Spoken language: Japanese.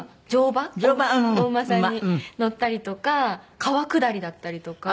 お馬さんに乗ったりとか川下りだったりとか。